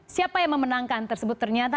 siapa yang memenangkan tersebut ternyata